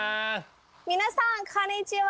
皆さんこんにちは。